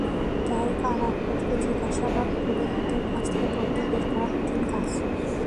তাই কারাফটকে জিজ্ঞাসাবাদ করে এদের কাছ থেকে তথ্য বের করা কঠিন কাজ।